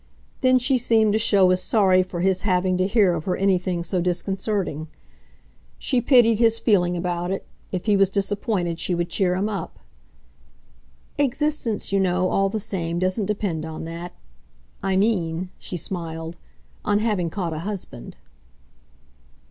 Then she seemed to show as sorry for his having to hear of her anything so disconcerting. She pitied his feeling about it; if he was disappointed she would cheer him up. "Existence, you know, all the same, doesn't depend on that. I mean," she smiled, "on having caught a husband."